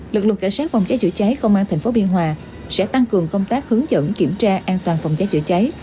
lực lượng cảnh sát phòng cháy chữa cháy công an tp biên hòa sẽ tăng cường công tác hướng dẫn kiểm tra an toàn phòng cháy chữa cháy